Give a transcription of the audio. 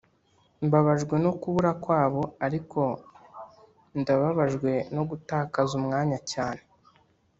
mbabajwe no kubura kwabo ariko ndababajwe no gutakaza umwanya cyane,